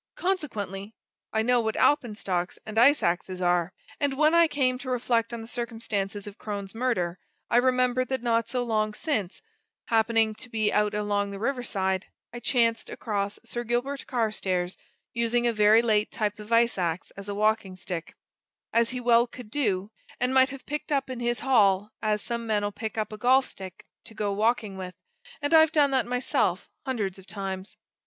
Consequently, I know what alpenstocks and ice axes are. And when I came to reflect on the circumstances of Crone's murder, I remember that not so long since, happening to be out along the riverside, I chanced across Sir Gilbert Carstairs using a very late type of ice ax as a walking stick as he well could do, and might have picked up in his hall as some men'll pick up a golf stick to go walking with, and I've done that myself, hundred of times.